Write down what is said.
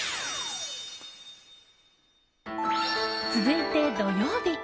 続いて土曜日。